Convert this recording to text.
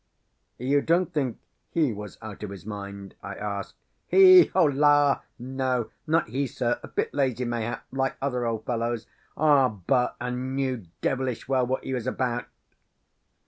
"You don't think he was out of his mind?" I asked. "He? La! no; not he, sir; a bit lazy, mayhap, like other old fellows; but a knew devilish well what he was about."